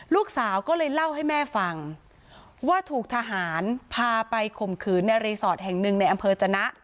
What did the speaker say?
ลูกสาวก็เลยเล่าให้แม่ฟังว่าถูกทหารพาไปข่มขืนในรีสอร์ทแห่งหนึ่งในอำเภอจนะ